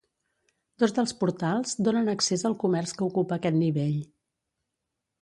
Dos dels portals donen accés al comerç que ocupa aquest nivell.